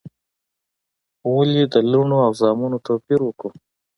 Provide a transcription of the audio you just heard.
ولي د لوڼو او زامنو توپیر وکو؟